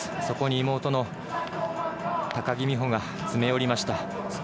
そこに妹の高木美帆が詰め寄りました。